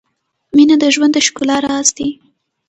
• مینه د ژوند د ښکلا راز دی.